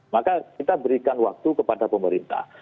maka kita berikan waktu kepada pemerintah